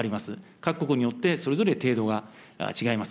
各国によってそれぞれ程度が違います。